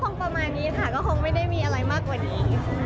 ประมาณนี้ค่ะก็คงไม่ได้มีอะไรมากกว่านี้